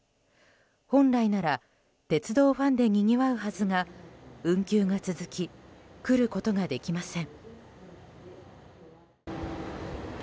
本来なら鉄道ファンでにぎわうはずが運休が続き来ることができません。